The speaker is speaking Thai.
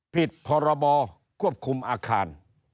ผิดพรบควบคุมอาคาร